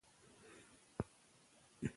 شاګرد ته اجازه ده مرسته وغواړي.